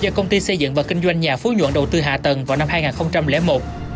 do công ty xây dựng và kinh doanh nhà phú nhuận đầu tư hạ tầng vào năm hai nghìn một